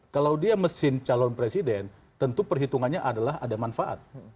kalau dia mesin calon presiden tentu perhitungannya adalah ada manfaat